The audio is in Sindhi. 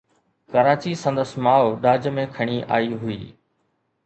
ڪراچي سندس ماءُ ڏاج ۾ کڻي آئي هئي.